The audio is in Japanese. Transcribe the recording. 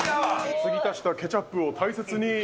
継ぎ足したケチャップも大切に。